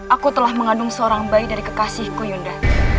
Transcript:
aku telah mengandung seorang bayi dari kekasihku yunda